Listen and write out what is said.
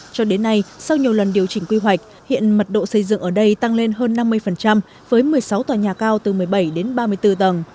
cho đến nay sau nhiều lần điều chỉnh quy hoạch hiện mật độ xây dựng ở đây tăng lên hơn năm mươi với một mươi sáu tòa nhà cao từ một mươi bảy đến ba mươi bốn tầng